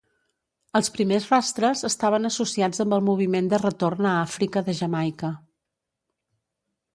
Els primers rastres estaven associats amb el moviment de retorn a Àfrica de Jamaica.